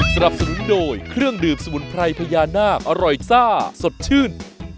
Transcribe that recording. สนับสนุนโดยเครื่องดื่มสมุนไพรพญานาคอร่อยซ่าสดชื่น